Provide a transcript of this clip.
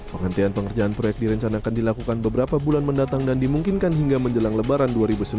penghentian pengerjaan proyek direncanakan dilakukan beberapa bulan mendatang dan dimungkinkan hingga menjelang lebaran dua ribu sembilan belas